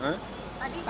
tadi naik mrt pak